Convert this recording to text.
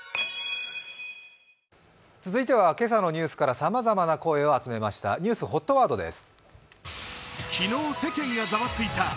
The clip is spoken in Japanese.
続いては今朝のニュースからさまざまな声を集めましたニュースＨＯＴワードです。